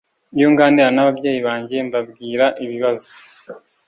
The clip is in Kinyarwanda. Iyo nganira n ababyeyi banjye mbabwira ibibazo